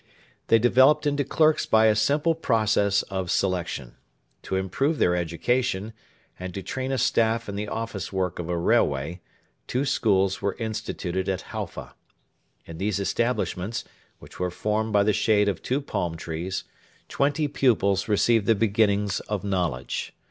They developed into clerks by a simple process of selection. To improve their education, and to train a staff in the office work of a railway, two schools were instituted at Halfa. In these establishments, which were formed by the shade of two palm trees, twenty pupils received the beginnings of knowledge.